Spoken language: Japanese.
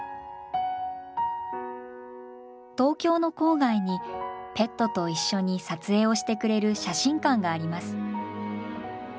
東京の郊外にペットと一緒に撮影をしてくれる写真館があります。